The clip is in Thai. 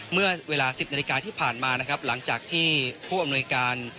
เมื่อเวลา๑๐นาฬิกาที่ผ่านมานะครับหลังจากที่ผู้อำนวยการ